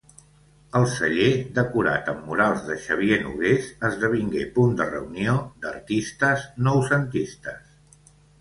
El celler, decorat amb murals de Xavier Nogués, esdevingué punt de reunió d'artistes noucentistes.